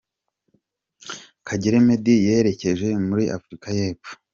Kagere Meddy yerekeje muri Afurika y’Epfo.